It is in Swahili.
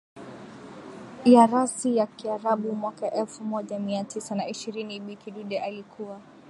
ya rasi ya kiarabu mwaka elfu moja mia tisa na ishirini Bi Kidude alikuwa